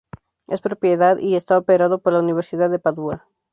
Es propiedad y está operado por la Universidad de Padua.